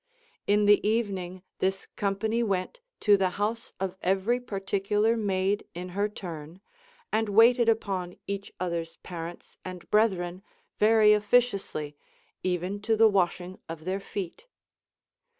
In the evening this company went to the house of every particular maid in her turn, and waited upon each other's parents and brethren very officiously, even to the washing of their feet.